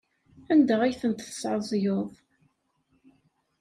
Anda ay tent-tesɛeẓgeḍ?